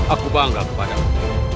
aku bangga kepadamu